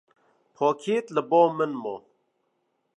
Pakêt li ba min ma.